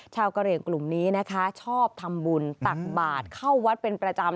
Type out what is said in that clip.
กะเหลี่ยงกลุ่มนี้นะคะชอบทำบุญตักบาทเข้าวัดเป็นประจำ